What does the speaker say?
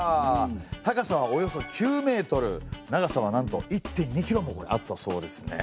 高さはおよそ９メートル長さはなんと１．２キロもあったそうですね。